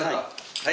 はい。